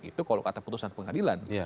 itu kalau kata putusan pengadilan